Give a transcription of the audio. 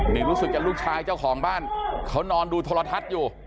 นี่รู้สึกจะลูกชายเจ้าของบ้านเขานอนดูโทรทัศน์อยู่